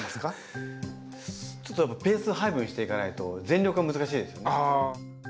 ちょっとペース配分していかないと全力は難しいですよね。